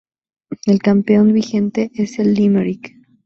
El campeón vigente es el Limerick.